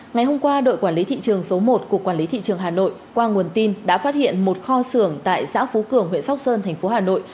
ngày hôm qua đội quản lý thị trường số một của quản lý thị trường hà nội qua nguồn tin đã phát hiện một kho xưởng tại xã phú cường huyện sóc sơn thành phố hà nội